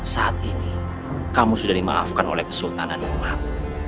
saat ini kamu sudah dimaafkan oleh kesultanan umat